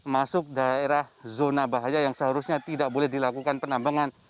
masuk daerah zona bahaya yang seharusnya tidak boleh dilakukan penambangan